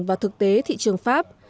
và thực tế thị trường pháp